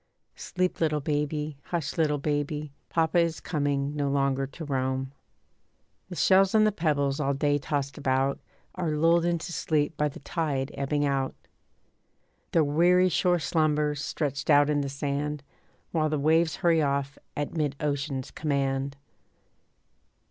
Sleep little baby, hush little baby, Papa is coming, no longer to roam. The shells and the pebbles all day tossed about Are lulled into sleep by the tide ebbing out. The weary shore slumbers, stretched out in the sand, While the waves hurry off at mid ocean's command.